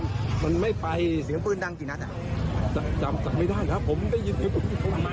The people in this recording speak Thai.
ทำไมเอาละเพราะเขาไม่ถูก